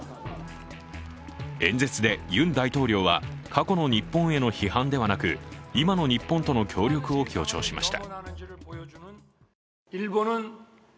演説でユン大統領は過去の日本への批判ではなく今の日本との協力を強調しました。